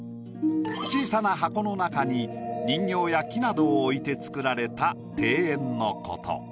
小さな箱の中に人形や木などを置いて作られた庭園の事。